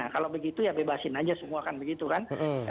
kalau begitu ya bebasin aja semua kan begitu kan